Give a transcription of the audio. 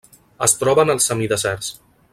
Es troba en els semideserts.